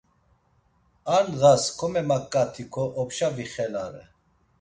Ar ndğas komemaǩatiǩo opşa vixelare.